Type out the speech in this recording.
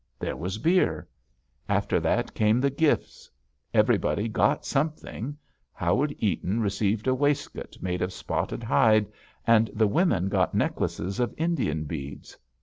There was beer. After that came the gifts. Everybody got something. Howard Eaton received a waistcoat made of spotted hide, and the women got necklaces of Indian beads.